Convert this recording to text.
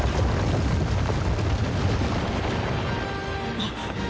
あっ！